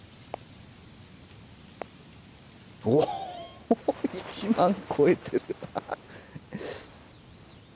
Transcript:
おっ１万超えてる！